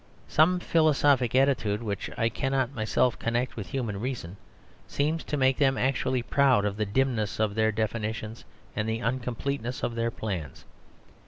Some philosophic attitude which I cannot myself connect with human reason seems to make them actually proud of the dimness of their definitions and the uncompleteness of their plans.